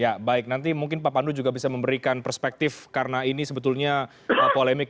ya baik nanti mungkin pak pandu juga bisa memberikan perspektif karena ini sebetulnya polemik